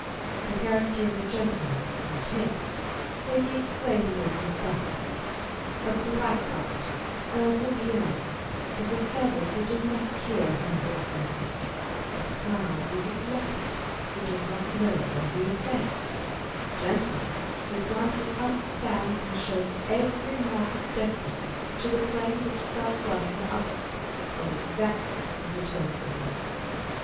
The character of a gentleman (I take it) may be ex plained nearly thus : â€" A blackguard (un vaurien) is a fellow who does not care whom he offends : a clown is a blockhead who does not know when he offends : a gentle man is one who understands and shows every mark of deference to the claims of self love in others, and exacts it in return from them.